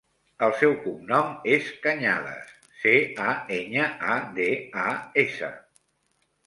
El seu cognom és Cañadas: ce, a, enya, a, de, a, essa.